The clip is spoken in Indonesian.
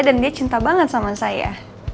dan dia cinta banget sama saya